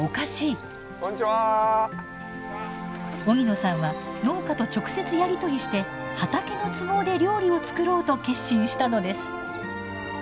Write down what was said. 荻野さんは農家と直接やり取りして畑の都合で料理を作ろうと決心したのです。